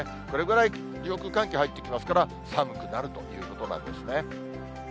これぐらい上空、寒気入ってきますから、寒くなるということなんですね。